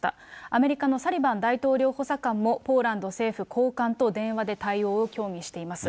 アメリカのサリバン大統領補佐官も、ポーランド政府高官と電話で対応を協議しています。